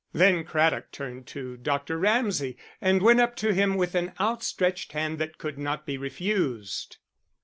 Then Craddock turned to Dr. Ramsay, and went up to him with an outstretched hand that could not be refused.